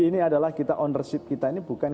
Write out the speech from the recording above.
ini adalah kita ownership kita ini bukan